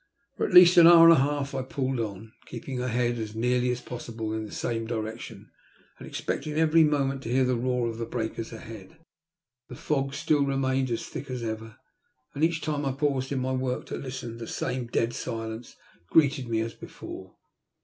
For at least an hour and a half I pulled on, keeping her head as nearly as possible in the same direction, and expecting every moment to hear the roar of the breakers ahead. The fog still remained as thick as ever, and each time I paused in my work to listen the same dead silence greeted me as before.